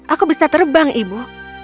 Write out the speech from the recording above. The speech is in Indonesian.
aku bisa terbang ibu